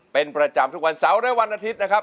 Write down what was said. เป็นประจำทุกวันเสาร์และวันอาทิตย์นะครับ